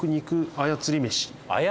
あやつり飯？